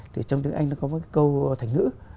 thì trong tiếng anh nó có một câu thành ngữ